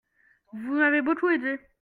Vous m'avez beaucoup aidé.